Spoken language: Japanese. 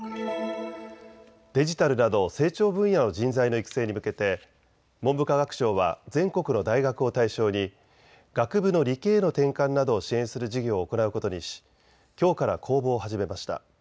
デジタルなど成長分野の人材の育成に向けて文部科学省は全国の大学を対象に学部の理系への転換などを支援する事業を行うことにしきょうから公募を始めました。